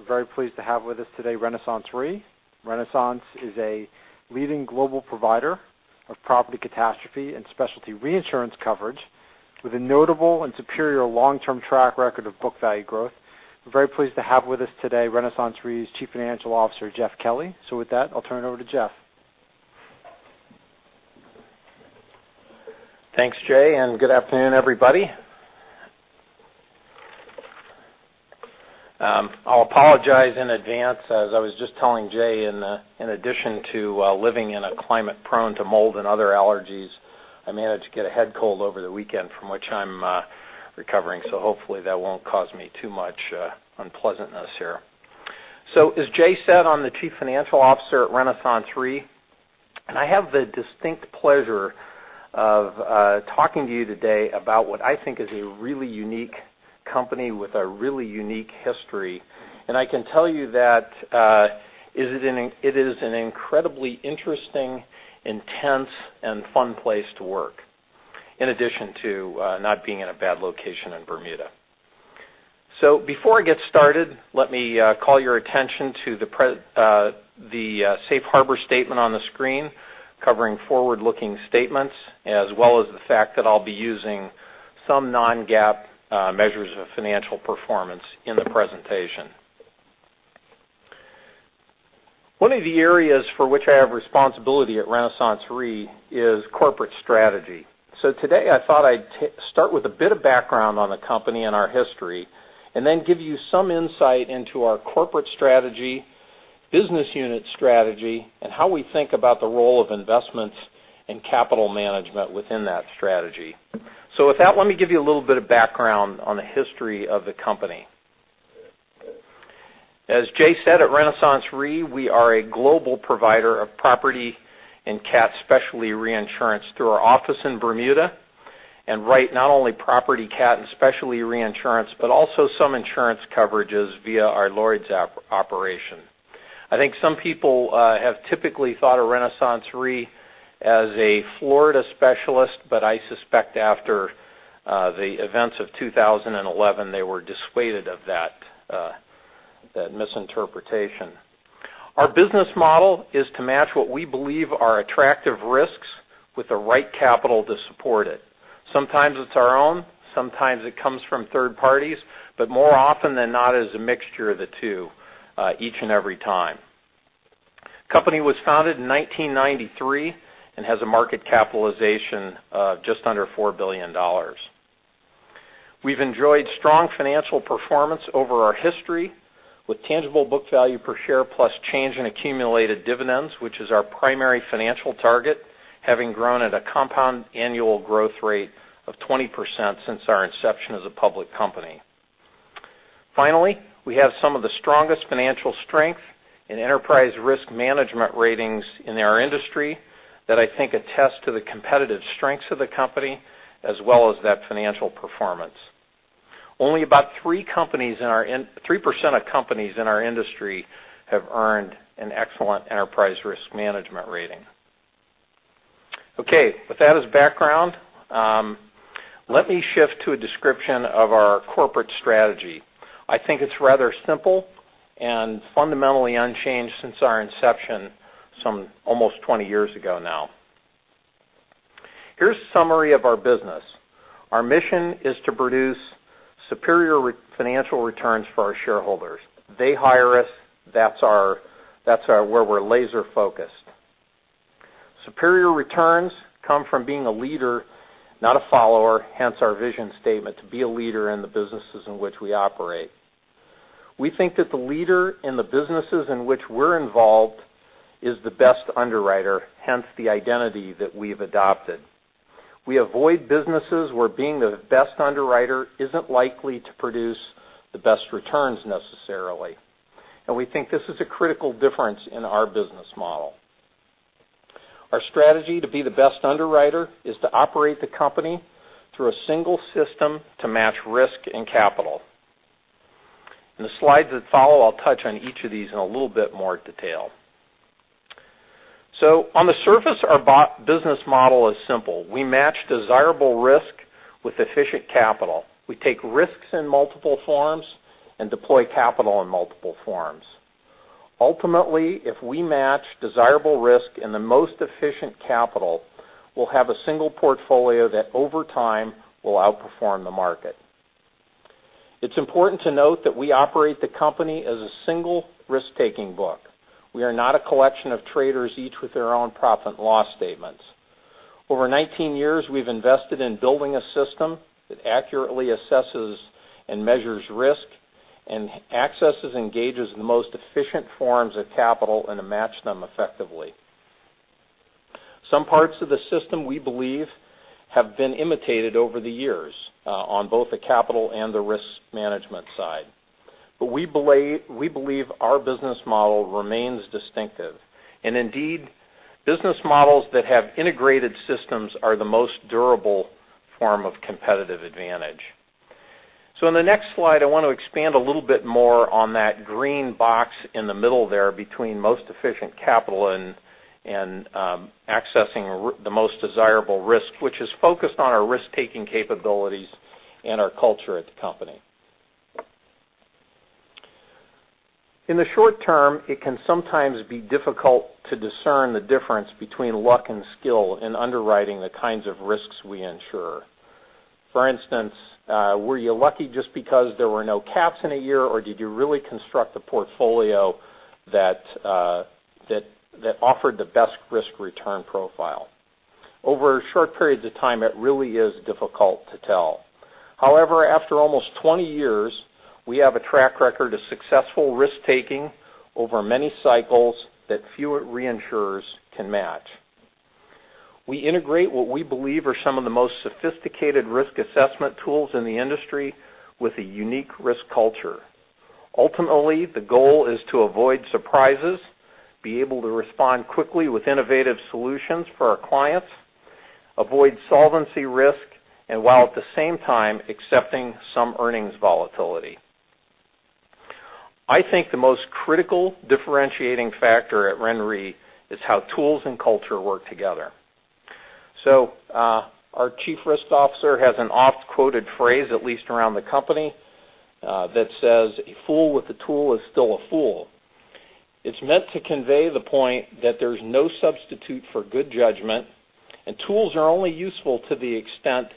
We're very pleased to have with us today RenaissanceRe. Renaissance is a leading global provider of property catastrophe and specialty reinsurance coverage with a notable and superior long-term track record of book value growth. We're very pleased to have with us today RenaissanceRe's Chief Financial Officer, Jeff Kelly. With that, I'll turn it over to Jeff. Thanks, Jay, good afternoon, everybody. I'll apologize in advance, as I was just telling Jay, in addition to living in a climate prone to mold and other allergies, I managed to get a head cold over the weekend, from which I'm recovering. Hopefully that won't cause me too much unpleasantness here. As Jay said, I'm the Chief Financial Officer at RenaissanceRe, I have the distinct pleasure of talking to you today about what I think is a really unique company with a really unique history. I can tell you that it is an incredibly interesting, intense, and fun place to work, in addition to not being in a bad location in Bermuda. Before I get started, let me call your attention to the safe harbor statement on the screen covering forward-looking statements, as well as the fact that I'll be using some non-GAAP measures of financial performance in the presentation. One of the areas for which I have responsibility at RenaissanceRe is corporate strategy. Today, I thought I'd start with a bit of background on the company, our history, then give you some insight into our corporate strategy, business unit strategy, and how we think about the role of investments and capital management within that strategy. With that, let me give you a little bit of background on the history of the company. As Jay said, at RenaissanceRe, we are a global provider of property and cat specialty reinsurance through our office in Bermuda. Write not only property cat and specialty reinsurance, but also some insurance coverages via our Lloyd's operation. I think some people have typically thought of RenaissanceRe as a Florida specialist, I suspect after the events of 2011, they were dissuaded of that misinterpretation. Our business model is to match what we believe are attractive risks with the right capital to support it. Sometimes it's our own, sometimes it comes from third parties, but more often than not is a mixture of the two each and every time. The Company was founded in 1993 and has a market capitalization of just under $4 billion. We've enjoyed strong financial performance over our history with tangible book value per share plus change in accumulated dividends, which is our primary financial target, having grown at a compound annual growth rate of 20% since our inception as a public company. We have some of the strongest financial strength and enterprise risk management ratings in our industry that I think attest to the competitive strengths of the company as well as that financial performance. Only about 3% of companies in our industry have earned an excellent enterprise risk management rating. With that as background, let me shift to a description of our corporate strategy. I think it is rather simple and fundamentally unchanged since our inception almost 20 years ago now. Here is a summary of our business. Our mission is to produce superior financial returns for our shareholders. They hire us. That is where we are laser focused. Superior returns come from being a leader, not a follower, hence our vision statement to be a leader in the businesses in which we operate. We think that the leader in the businesses in which we are involved is the best underwriter, hence the identity that we have adopted. We avoid businesses where being the best underwriter is not likely to produce the best returns necessarily. We think this is a critical difference in our business model. Our strategy to be the best underwriter is to operate the company through a single system to match risk and capital. In the slides that follow, I will touch on each of these in a little bit more detail. On the surface, our business model is simple. We match desirable risk with efficient capital. We take risks in multiple forms and deploy capital in multiple forms. Ultimately, if we match desirable risk and the most efficient capital, we will have a single portfolio that over time will outperform the market. It is important to note that we operate the company as a single risk-taking book. We are not a collection of traders, each with their own profit and loss statements. Over 19 years, we have invested in building a system that accurately assesses and measures risk and accesses, engages in the most efficient forms of capital and to match them effectively. Some parts of the system, we believe have been imitated over the years on both the capital and the risk management side. We believe our business model remains distinctive, and indeed, business models that have integrated systems are the most durable form of competitive advantage. In the next slide, I want to expand a little bit more on that green box in the middle there between most efficient capital and accessing the most desirable risk, which is focused on our risk-taking capabilities and our culture at the company. In the short term, it can sometimes be difficult to discern the difference between luck and skill in underwriting the kinds of risks we insure. For instance, were you lucky just because there were no cats in a year, or did you really construct a portfolio that offered the best risk-return profile? Over short periods of time, it really is difficult to tell. However, after almost 20 years, we have a track record of successful risk-taking over many cycles that fewer reinsurers can match. We integrate what we believe are some of the most sophisticated risk assessment tools in the industry with a unique risk culture. Ultimately, the goal is to avoid surprises, be able to respond quickly with innovative solutions for our clients, avoid solvency risk, and while at the same time accepting some earnings volatility. I think the most critical differentiating factor at RenRe is how tools and culture work together. Our chief risk officer has an oft-quoted phrase, at least around the company, that says, "A fool with a tool is still a fool." It is meant to convey the point that there is no substitute for good judgment, and tools are only useful to the extent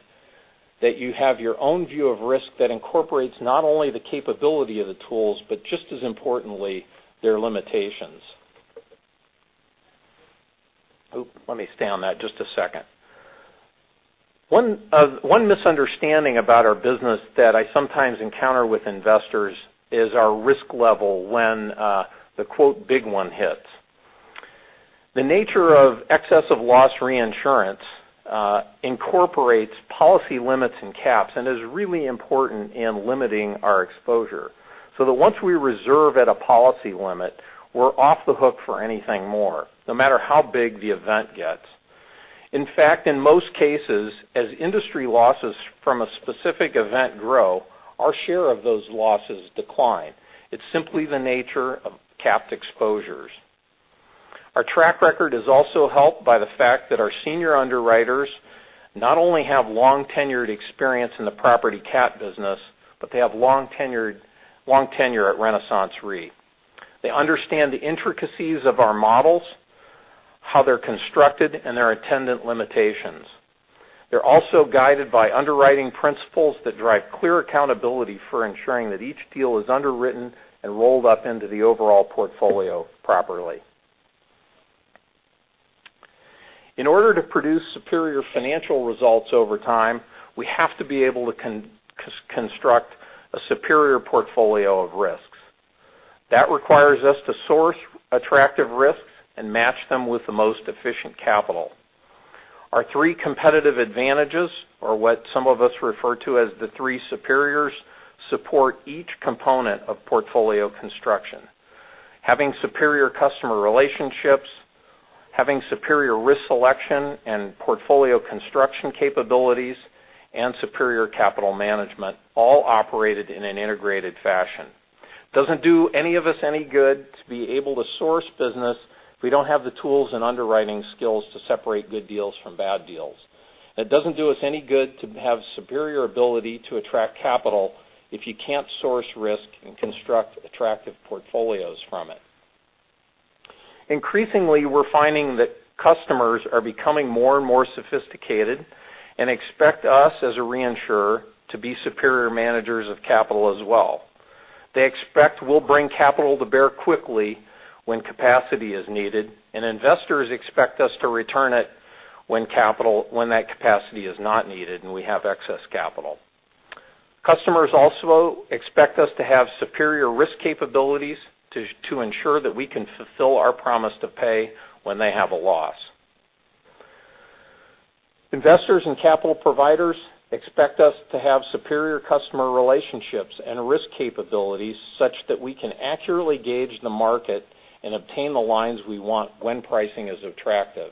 that you have your own view of risk that incorporates not only the capability of the tools, but just as importantly, their limitations. Ooh, let me stay on that just a second. One misunderstanding about our business that I sometimes encounter with investors is our risk level when the quote big one hits. The nature of excess of loss reinsurance incorporates policy limits and caps and is really important in limiting our exposure, so that once we reserve at a policy limit, we are off the hook for anything more, no matter how big the event gets. In fact, in most cases, as industry losses from a specific event grow, our share of those losses decline. It is simply the nature of capped exposures. Our track record is also helped by the fact that our senior underwriters not only have long tenured experience in the property cat business, but they have long tenure at RenaissanceRe. They understand the intricacies of our models, how they are constructed, and their attendant limitations. They are also guided by underwriting principles that drive clear accountability for ensuring that each deal is underwritten and rolled up into the overall portfolio properly. In order to produce superior financial results over time, we have to be able to construct a superior portfolio of risks. That requires us to source attractive risks and match them with the most efficient capital. Our three competitive advantages, or what some of us refer to as the three superiors, support each component of portfolio construction. Having superior customer relationships, having superior risk selection and portfolio construction capabilities, and superior capital management, all operated in an integrated fashion. It does not do any of us any good to be able to source business if we do not have the tools and underwriting skills to separate good deals from bad deals. It does not do us any good to have superior ability to attract capital if you cannot source risk and construct attractive portfolios from it. Increasingly, we are finding that customers are becoming more and more sophisticated and expect us as a reinsurer to be superior managers of capital as well. They expect we will bring capital to bear quickly when capacity is needed, and investors expect us to return it when that capacity is not needed and we have excess capital. Customers also expect us to have superior risk capabilities to ensure that we can fulfill our promise to pay when they have a loss. Investors and capital providers expect us to have superior customer relationships and risk capabilities such that we can accurately gauge the market and obtain the lines we want when pricing is attractive.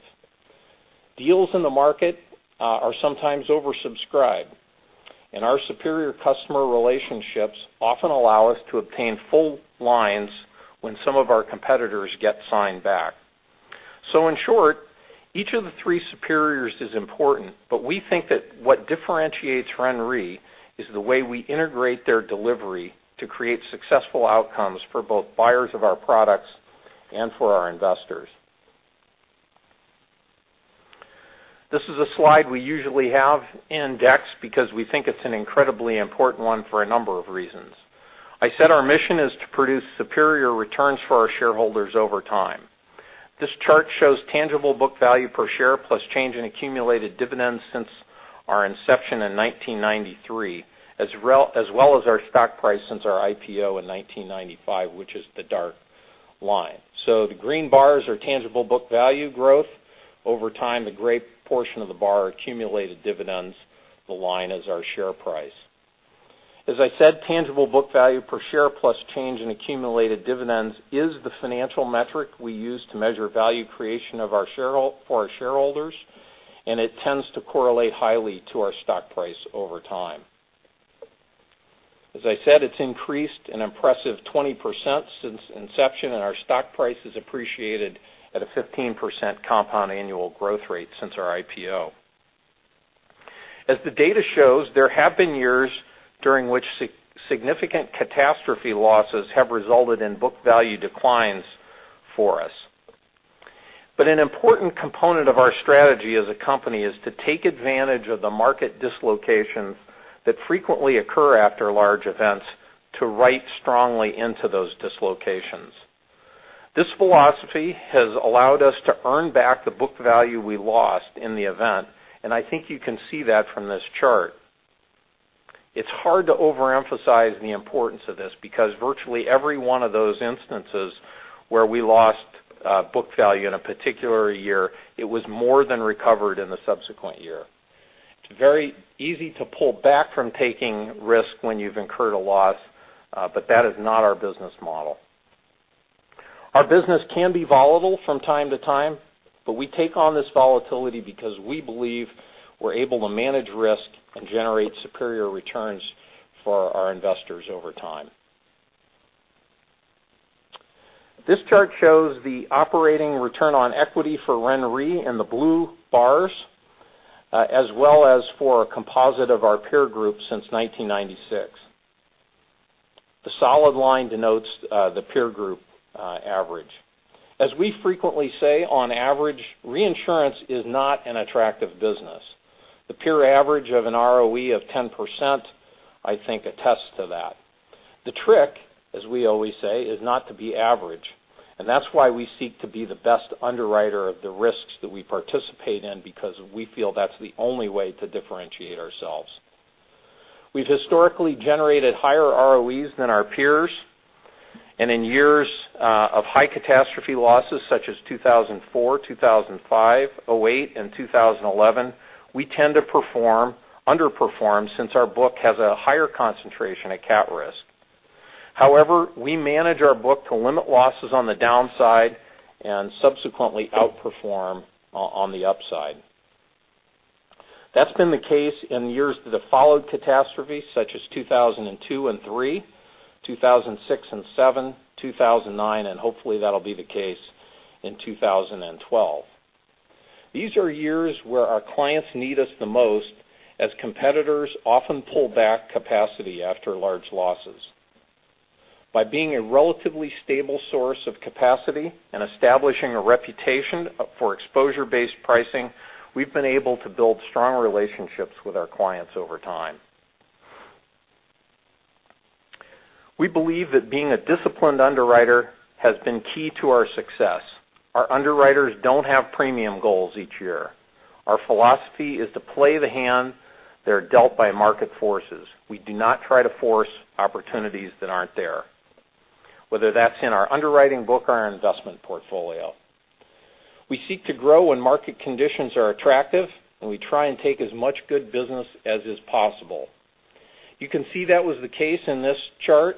Deals in the market are sometimes oversubscribed, and our superior customer relationships often allow us to obtain full lines when some of our competitors get signed back. In short, each of the three superiors is important, but we think that what differentiates RenRe is the way we integrate their delivery to create successful outcomes for both buyers of our products and for our investors. This is a slide we usually have indexed because we think it's an incredibly important one for a number of reasons. I said our mission is to produce superior returns for our shareholders over time. This chart shows tangible book value per share plus change in accumulated dividends since our inception in 1993, as well as our stock price since our IPO in 1995, which is the dark line. The green bars are tangible book value growth over time. The gray portion of the bar are accumulated dividends. The line is our share price. As I said, tangible book value per share plus change in accumulated dividends is the financial metric we use to measure value creation for our shareholders, it tends to correlate highly to our stock price over time. As I said, it's increased an impressive 20% since inception, and our stock price has appreciated at a 15% compound annual growth rate since our IPO. As the data shows, there have been years during which significant catastrophe losses have resulted in book value declines for us. An important component of our strategy as a company is to take advantage of the market dislocations that frequently occur after large events to write strongly into those dislocations. This philosophy has allowed us to earn back the book value we lost in the event, I think you can see that from this chart. It's hard to overemphasize the importance of this because virtually every one of those instances where we lost book value in a particular year, it was more than recovered in the subsequent year. It's very easy to pull back from taking risk when you've incurred a loss, that is not our business model. Our business can be volatile from time to time, we take on this volatility because we believe we're able to manage risk and generate superior returns for our investors over time. This chart shows the operating return on equity for RenRe in the blue bars, as well as for a composite of our peer group since 1996. The solid line denotes the peer group average. As we frequently say, on average, reinsurance is not an attractive business. The peer average of an ROE of 10%, I think, attests to that. The trick, as we always say, is not to be average, that's why we seek to be the best underwriter of the risks that we participate in because we feel that's the only way to differentiate ourselves. We've historically generated higher ROEs than our peers, in years of high catastrophe losses such as 2004, 2005, 2008, and 2011, we tend to underperform since our book has a higher concentration at cat risk. We manage our book to limit losses on the downside and subsequently outperform on the upside. That's been the case in years that have followed catastrophes such as 2002 and 2003, 2006 and 2007, 2009, hopefully that'll be the case in 2012. These are years where our clients need us the most as competitors often pull back capacity after large losses. By being a relatively stable source of capacity and establishing a reputation for exposure-based pricing, we've been able to build strong relationships with our clients over time. We believe that being a disciplined underwriter has been key to our success. Our underwriters don't have premium goals each year. Our philosophy is to play the hand they're dealt by market forces. We do not try to force opportunities that aren't there, whether that's in our underwriting book or our investment portfolio. We seek to grow when market conditions are attractive, and we try and take as much good business as is possible. You can see that was the case in this chart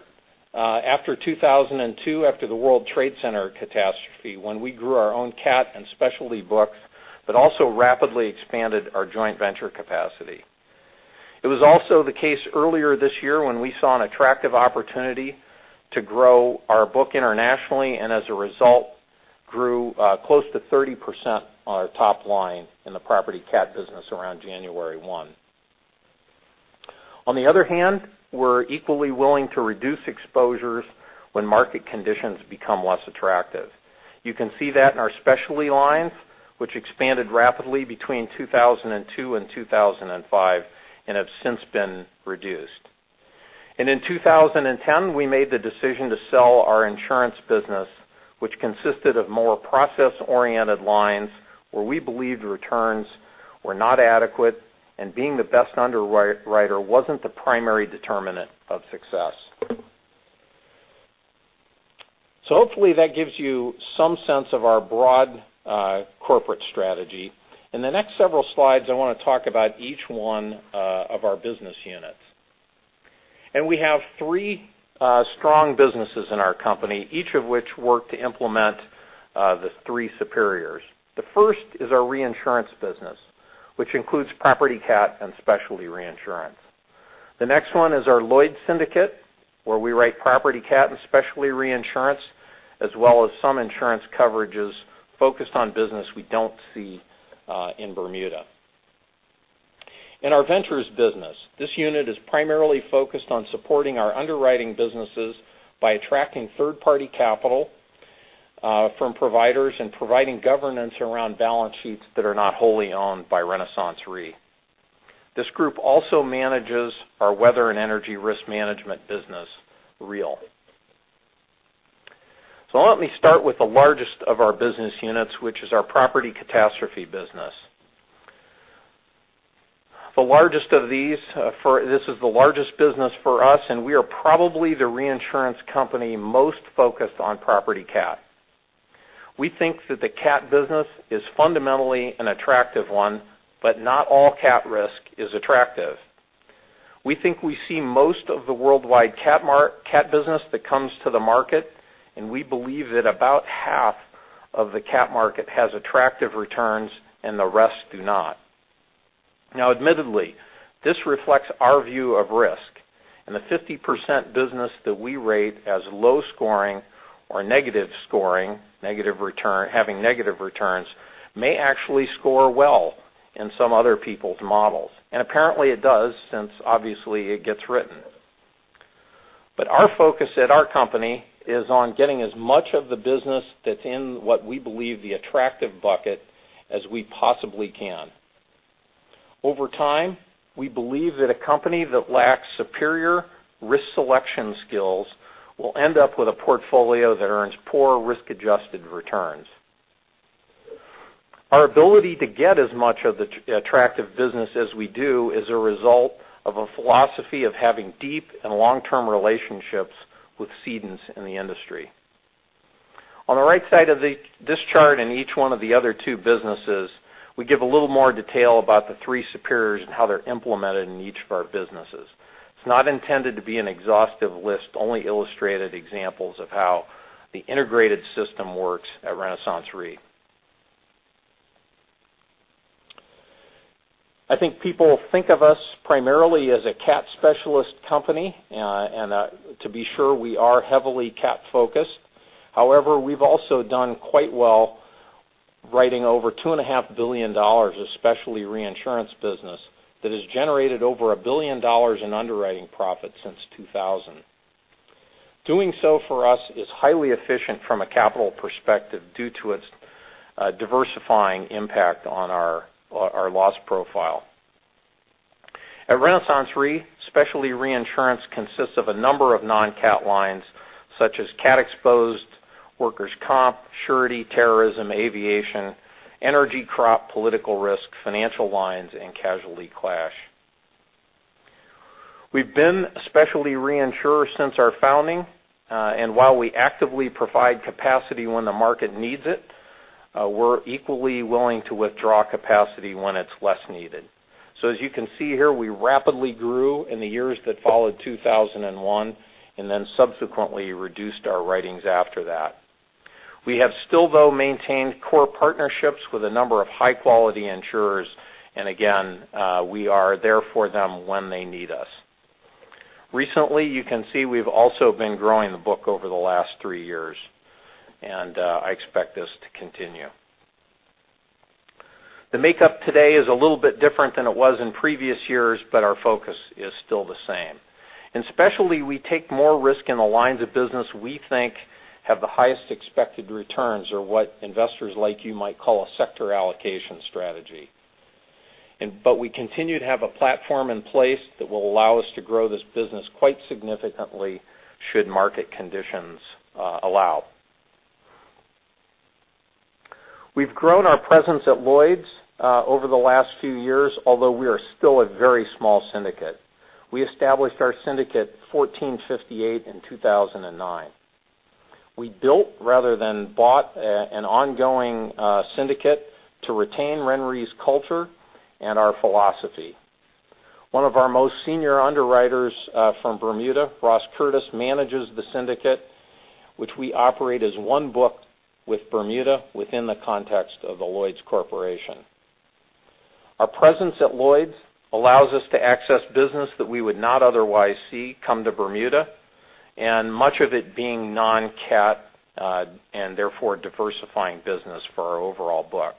after 2002, after the World Trade Center catastrophe, when we grew our own cat and specialty book, but also rapidly expanded our joint venture capacity. It was also the case earlier this year when we saw an attractive opportunity to grow our book internationally, as a result, grew close to 30% on our top line in the property cat business around January 1. On the other hand, we're equally willing to reduce exposures when market conditions become less attractive. You can see that in our specialty lines, which expanded rapidly between 2002 and 2005 and have since been reduced. In 2010, we made the decision to sell our insurance business, which consisted of more process-oriented lines where we believed returns were not adequate and being the best underwriter wasn't the primary determinant of success. Hopefully that gives you some sense of our broad corporate strategy. In the next several slides, I want to talk about each one of our business units. We have three strong businesses in our company, each of which work to implement the three superiors. The first is our reinsurance business, which includes property cat and specialty reinsurance. The next one is our Lloyd's Syndicate, where we write property cat and specialty reinsurance, as well as some insurance coverages focused on business we don't see in Bermuda. In our ventures business, this unit is primarily focused on supporting our underwriting businesses by attracting third-party capital from providers and providing governance around balance sheets that are not wholly owned by RenaissanceRe. This group also manages our weather and energy risk management business, REAL. Let me start with the largest of our business units, which is our property catastrophe business. This is the largest business for us, and we are probably the reinsurance company most focused on property cat. We think that the cat business is fundamentally an attractive one, but not all cat risk is attractive. We think we see most of the worldwide cat business that comes to the market, and we believe that about half of the cat market has attractive returns and the rest do not. Now admittedly, this reflects our view of risk. The 50% business that we rate as low scoring or negative scoring, having negative returns, may actually score well in some other people's models. Apparently it does, since obviously it gets written. Our focus at our company is on getting as much of the business that's in what we believe the attractive bucket as we possibly can. Over time, we believe that a company that lacks superior risk selection skills will end up with a portfolio that earns poor risk adjusted returns. Our ability to get as much of the attractive business as we do is a result of a philosophy of having deep and long-term relationships with cedents in the industry. On the right side of this chart in each one of the other two businesses, we give a little more detail about the three superiors and how they're implemented in each of our businesses. It's not intended to be an exhaustive list, only illustrated examples of how the integrated system works at RenaissanceRe. I think people think of us primarily as a cat specialist company, and to be sure, we are heavily cat focused. However, we've also done quite well writing over $2.5 billion of specialty reinsurance business that has generated over $1 billion in underwriting profit since 2000. Doing so for us is highly efficient from a capital perspective due to its diversifying impact on our loss profile. At RenaissanceRe, specialty reinsurance consists of a number of non-cat lines such as cat exposed workers' comp, surety, terrorism, aviation, energy crop, political risk, financial lines, and casualty clash. We've been a specialty reinsurer since our founding, and while we actively provide capacity when the market needs it, we're equally willing to withdraw capacity when it's less needed. As you can see here, we rapidly grew in the years that followed 2001 and then subsequently reduced our writings after that. We have still though maintained core partnerships with a number of high quality insurers, and again, we are there for them when they need us. Recently, you can see we've also been growing the book over the last three years, and I expect this to continue. The makeup today is a little bit different than it was in previous years, but our focus is still the same. In specialty we take more risk in the lines of business we think have the highest expected returns or what investors like you might call a sector allocation strategy. We continue to have a platform in place that will allow us to grow this business quite significantly should market conditions allow. We've grown our presence at Lloyd's over the last few years, although we are still a very small syndicate. We established our Syndicate 1458 in 2009. We built rather than bought an ongoing syndicate to retain RenRe's culture and our philosophy. One of our most senior underwriters from Bermuda, Ross Curtis, manages the syndicate, which we operate as one book with Bermuda within the context of The Corporation of Lloyd's. Our presence at Lloyd's allows us to access business that we would not otherwise see come to Bermuda, and much of it being non-cat, and therefore diversifying business for our overall book.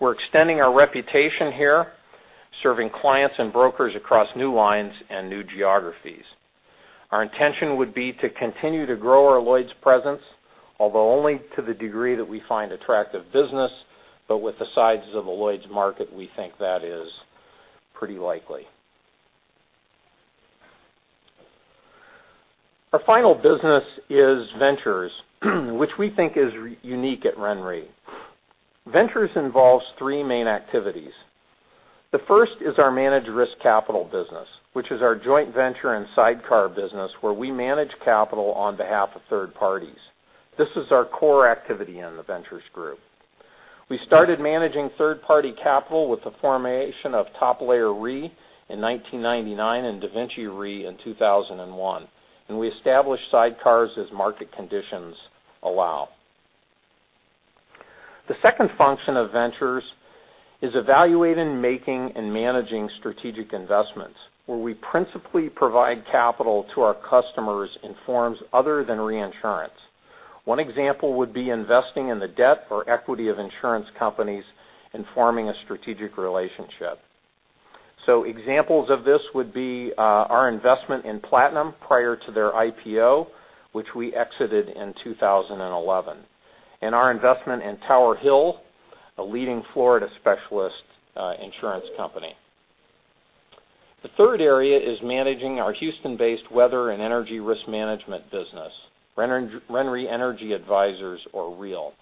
We're extending our reputation here, serving clients and brokers across new lines and new geographies. Our intention would be to continue to grow our Lloyd's presence, although only to the degree that we find attractive business, but with the sizes of the Lloyd's market, we think that is pretty likely. Our final business is ventures, which we think is unique at RenRe. Ventures involves three main activities. The first is our managed risk capital business, which is our joint venture and sidecar business where we manage capital on behalf of third parties. This is our core activity in the ventures group. We started managing third-party capital with the formation of Top Layer Re in 1999 and DaVinci Re in 2001. We established sidecars as market conditions allow. The second function of ventures is evaluating, making, and managing strategic investments where we principally provide capital to our customers in forms other than reinsurance. One example would be investing in the debt or equity of insurance companies and forming a strategic relationship. Examples of this would be our investment in Platinum prior to their IPO, which we exited in 2011, and our investment in Tower Hill, a leading Florida specialist insurance company. The third area is managing our Houston based weather and energy risk management business, RenRe Energy Advisors or REAL.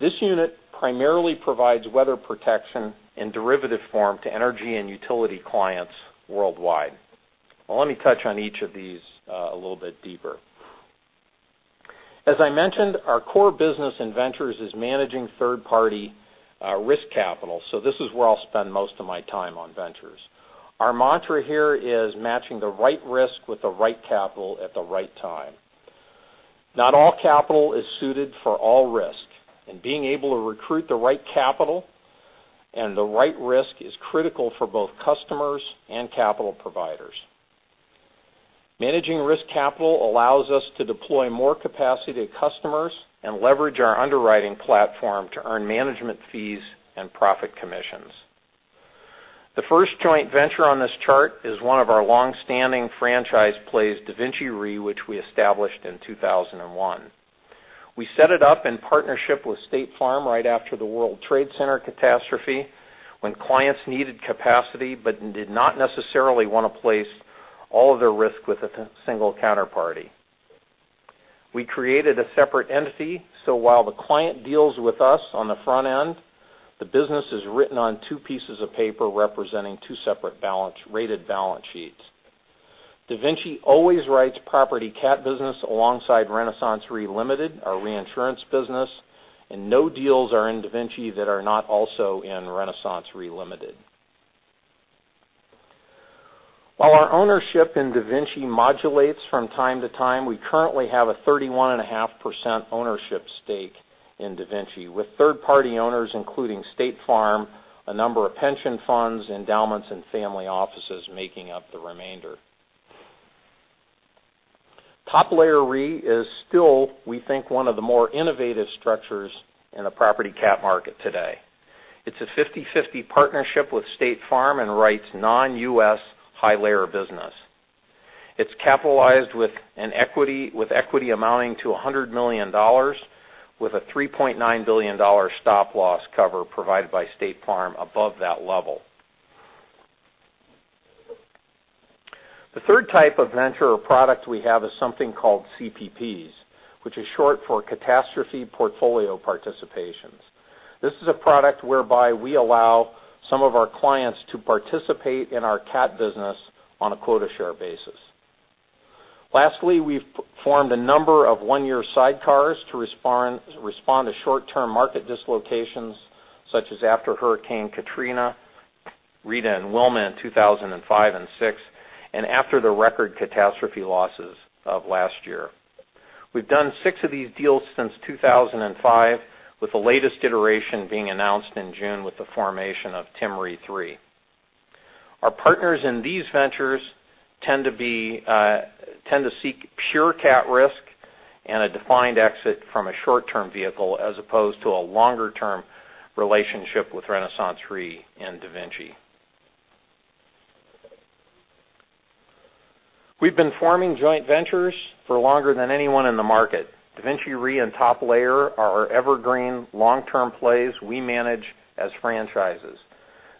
This unit primarily provides weather protection in derivative form to energy and utility clients worldwide. Well, let me touch on each of these a little bit deeper. As I mentioned, our core business in ventures is managing third-party risk capital. This is where I'll spend most of my time on ventures. Our mantra here is matching the right risk with the right capital at the right time. Not all capital is suited for all risk, and being able to recruit the right capital and the right risk is critical for both customers and capital providers. Managing risk capital allows us to deploy more capacity to customers and leverage our underwriting platform to earn management fees and profit commissions. The first joint venture on this chart is one of our long-standing franchise plays, DaVinci Re, which we established in 2001. We set it up in partnership with State Farm right after the World Trade Center catastrophe, when clients needed capacity but did not necessarily want to place all of their risk with a single counterparty. We created a separate entity, so while the client deals with us on the front end, the business is written on two pieces of paper representing two separate rated balance sheets. DaVinci always writes property cat business alongside RenaissanceRe Limited, our reinsurance business, and no deals are in DaVinci that are not also in RenaissanceRe Limited. While our ownership in DaVinci modulates from time to time, we currently have a 31.5% ownership stake in DaVinci, with third-party owners, including State Farm, a number of pension funds, endowments, and family offices making up the remainder. Top Layer Re is still, we think, one of the more innovative structures in the property cat market today. It's a 50/50 partnership with State Farm and writes non-U.S. high-layer business. It's capitalized with equity amounting to $100 million, with a $3.9 billion stop-loss cover provided by State Farm above that level. The third type of venture or product we have is something called CPPs, which is short for Catastrophe Portfolio Participations. Lastly, we've formed a number of one-year sidecars to respond to short-term market dislocations, such as after Hurricane Katrina, Rita, and Wilma in 2005 and 2006, and after the record catastrophe losses of last year. We've done six of these deals since 2005, with the latest iteration being announced in June with the formation of Tim Re 3. Our partners in these ventures tend to seek pure cat risk and a defined exit from a short-term vehicle, as opposed to a longer-term relationship with RenaissanceRe and DaVinci. We've been forming joint ventures for longer than anyone in the market. DaVinci Re and Top Layer are our evergreen long-term plays we manage as franchises.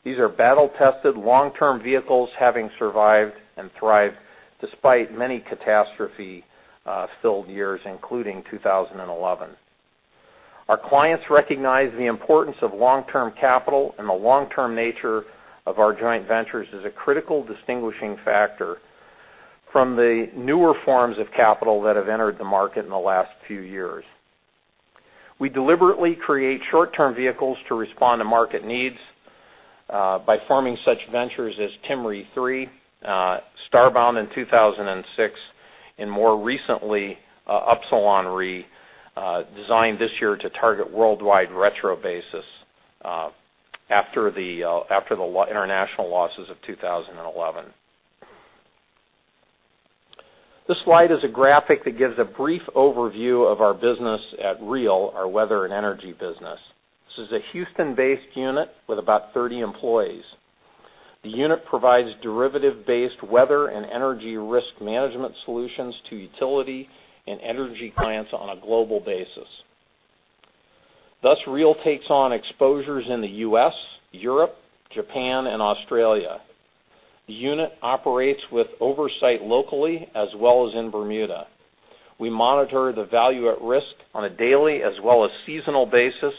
These are battle-tested long-term vehicles having survived and thrived despite many catastrophe-filled years, including 2011. Our clients recognize the importance of long-term capital, and the long-term nature of our joint ventures is a critical distinguishing factor from the newer forms of capital that have entered the market in the last few years. We deliberately create short-term vehicles to respond to market needs by forming such ventures as Timicuan Re III, Starbound in 2006, and more recently, Upsilon Re, designed this year to target worldwide retro basis after the international losses of 2011. This slide is a graphic that gives a brief overview of our business at REAL, our weather and energy business. This is a Houston-based unit with about 30 employees. The unit provides derivative-based weather and energy risk management solutions to utility and energy clients on a global basis. REAL takes on exposures in the U.S., Europe, Japan, and Australia. The unit operates with oversight locally as well as in Bermuda. We monitor the value at risk on a daily as well as seasonal basis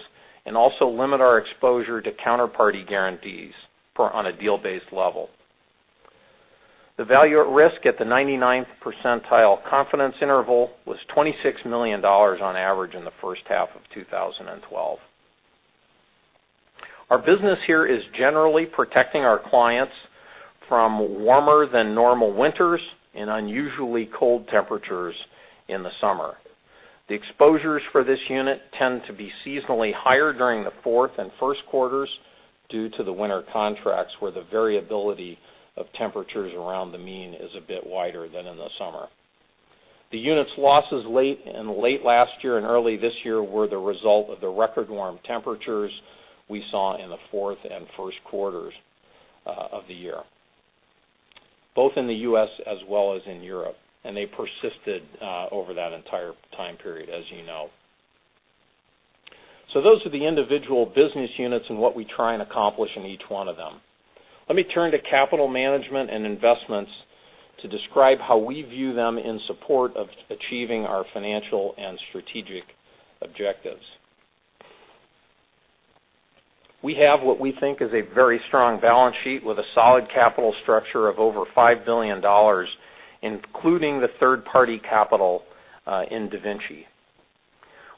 and also limit our exposure to counterparty guarantees on a deal-based level. The value at risk at the 99th percentile confidence interval was $26 million on average in the first half of 2012. Our business here is generally protecting our clients from warmer than normal winters and unusually cold temperatures in the summer. The exposures for this unit tend to be seasonally higher during the fourth and first quarters due to the winter contracts, where the variability of temperatures around the mean is a bit wider than in the summer. The unit's losses in late last year and early this year were the result of the record warm temperatures we saw in the fourth and first quarters of the year, both in the U.S. as well as in Europe. They persisted over that entire time period, as you know. Those are the individual business units and what we try and accomplish in each one of them. Let me turn to capital management and investments to describe how we view them in support of achieving our financial and strategic objectives. We have what we think is a very strong balance sheet with a solid capital structure of over $5 billion, including the third-party capital in DaVinci.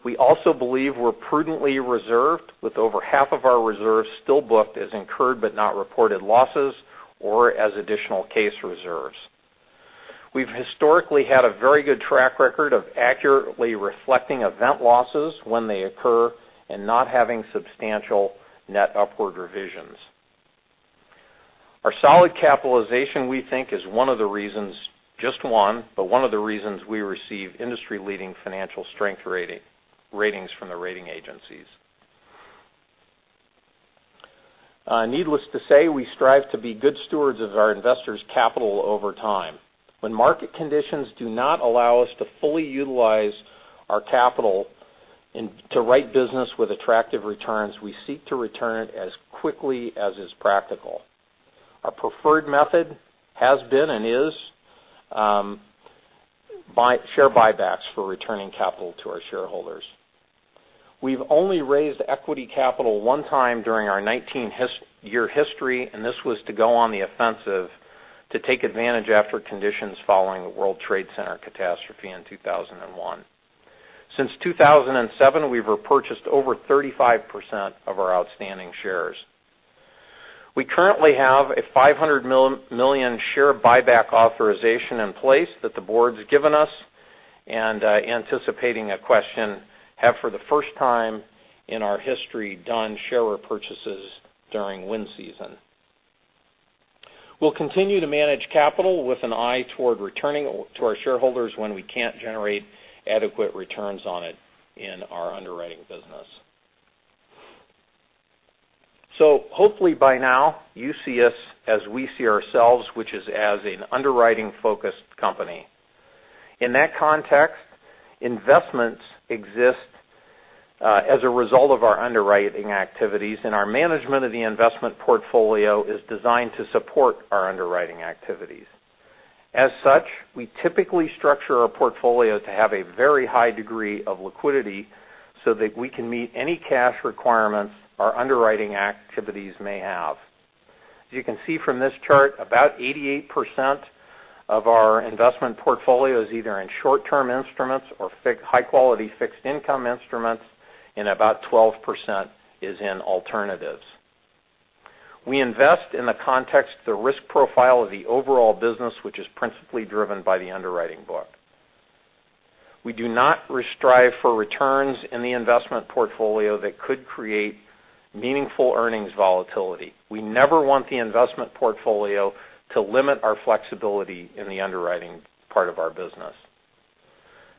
We also believe we're prudently reserved with over half of our reserves still booked as incurred, but not reported losses or as additional case reserves. We've historically had a very good track record of accurately reflecting event losses when they occur and not having substantial net upward revisions. Our solid capitalization, we think, is one of the reasons, just one, but one of the reasons we receive industry-leading financial strength ratings from the rating agencies. Needless to say, we strive to be good stewards of our investors' capital over time. When market conditions do not allow us to fully utilize our capital and to write business with attractive returns, we seek to return it as quickly as is practical. Our preferred method has been and is share buybacks for returning capital to our shareholders. We've only raised equity capital one time during our 19-year history. This was to go on the offensive to take advantage after conditions following the World Trade Center catastrophe in 2001. Since 2007, we've repurchased over 35% of our outstanding shares. We currently have a $500 million share buyback authorization in place that the board's given us, and anticipating a question, have for the first time in our history done share repurchases during wind season. We'll continue to manage capital with an eye toward returning to our shareholders when we can't generate adequate returns on it in our underwriting business. Hopefully by now you see us as we see ourselves, which is as an underwriting-focused company. In that context, investments exist as a result of our underwriting activities, and our management of the investment portfolio is designed to support our underwriting activities. As such, we typically structure our portfolio to have a very high degree of liquidity so that we can meet any cash requirements our underwriting activities may have. As you can see from this chart, about 88% of our investment portfolio is either in short-term instruments or high-quality fixed income instruments, and about 12% is in alternatives. We invest in the context of the risk profile of the overall business, which is principally driven by the underwriting book. We do not strive for returns in the investment portfolio that could create meaningful earnings volatility. We never want the investment portfolio to limit our flexibility in the underwriting part of our business.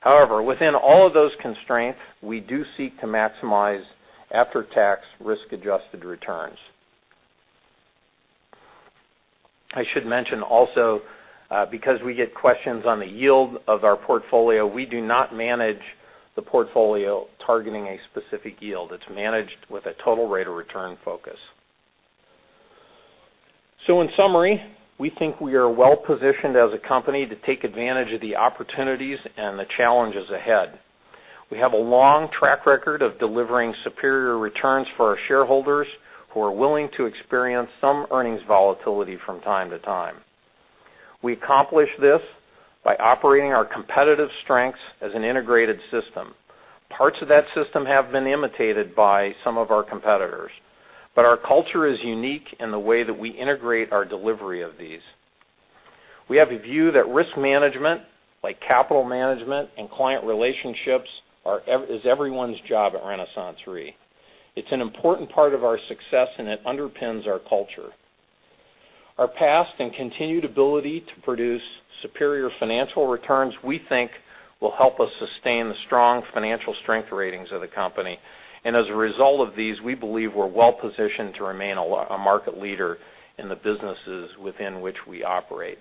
However, within all of those constraints, we do seek to maximize after-tax risk-adjusted returns. I should mention also, because we get questions on the yield of our portfolio, we do not manage the portfolio targeting a specific yield. It's managed with a total rate of return focus. In summary, we think we are well positioned as a company to take advantage of the opportunities and the challenges ahead. We have a long track record of delivering superior returns for our shareholders who are willing to experience some earnings volatility from time to time. We accomplish this by operating our competitive strengths as an integrated system. Parts of that system have been imitated by some of our competitors, but our culture is unique in the way that we integrate our delivery of these. We have a view that risk management, like capital management and client relationships, is everyone's job at RenaissanceRe. It's an important part of our success, and it underpins our culture. Our past and continued ability to produce superior financial returns, we think, will help us sustain the strong financial strength ratings of the company. As a result of these, we believe we're well positioned to remain a market leader in the businesses within which we operate.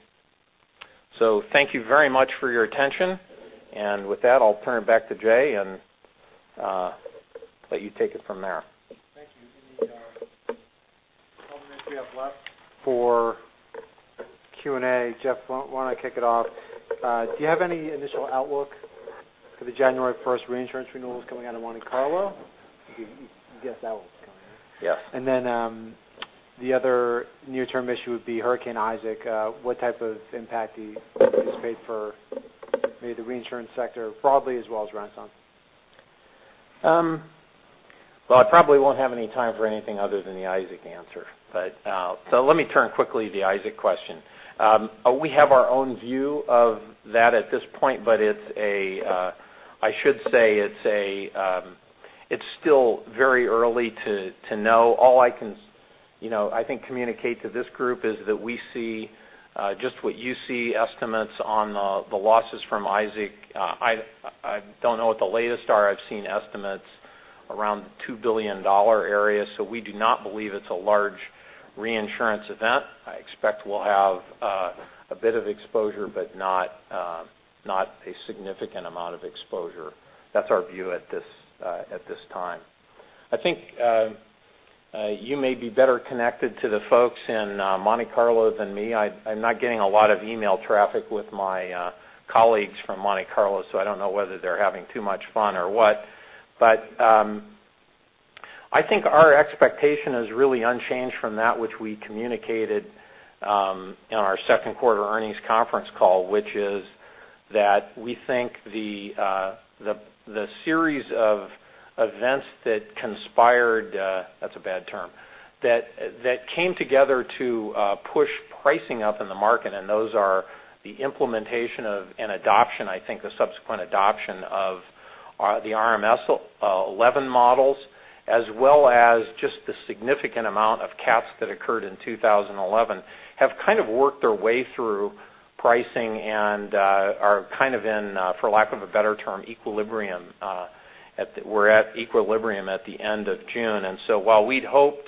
Thank you very much for your attention. With that, I'll turn it back to Jay and let you take it from there. Thank you. In the time we have left for Q&A, Jeff, why don't I kick it off? Do you have any initial outlook for the January 1st reinsurance renewals coming out of Monte Carlo? You guessed that was coming. Yes. The other near-term issue would be Hurricane Isaac. What type of impact do you anticipate for maybe the reinsurance sector broadly as well as Renaissance? Well, I probably won't have any time for anything other than the Isaac answer. Let me turn quickly to the Isaac question. We have our own view of that at this point, but I should say it's still very early to know. All I can, I think, communicate to this group is that we see just what you see, estimates on the losses from Isaac. I don't know what the latest are. I've seen estimates around the $2 billion area, so we do not believe it's a large reinsurance event. I expect we'll have a bit of exposure, but not a significant amount of exposure. That's our view at this time. I think you may be better connected to the folks in Monte Carlo than me. I'm not getting a lot of email traffic with my colleagues from Monte Carlo, so I don't know whether they're having too much fun or what. I think our expectation is really unchanged from that which we communicated in our second quarter earnings conference call, which is that we think the series of events that conspired, that's a bad term, that came together to push pricing up in the market, and those are the implementation of, and adoption, I think, the subsequent adoption of the RMS v11 models, as well as just the significant amount of cats that occurred in 2011 have kind of worked their way through pricing and are kind of in for lack of a better term, equilibrium. We're at equilibrium at the end of June. While we'd hoped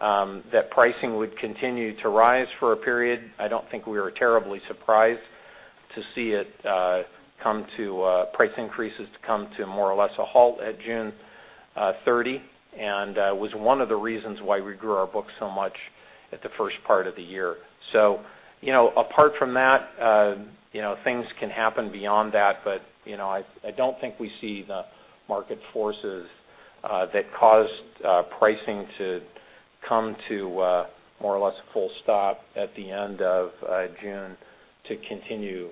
that pricing would continue to rise for a period, I don't think we were terribly surprised to see price increases to come to more or less a halt at June 30, and was one of the reasons why we grew our book so much at the first part of the year. Apart from that, things can happen beyond that, but I don't think we see the market forces that caused pricing to come to a more or less a full stop at the end of June to continue.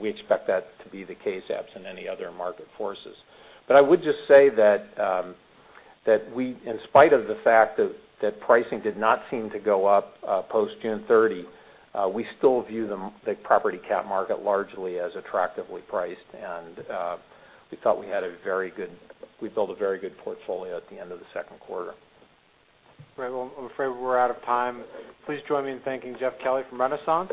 We expect that to be the case absent any other market forces. I would just say that in spite of the fact that pricing did not seem to go up post June 30, we still view the property cat market largely as attractively priced, and we thought we built a very good portfolio at the end of the second quarter. Great. Well, I'm afraid we're out of time. Please join me in thanking Jeff Kelly from Renaissance.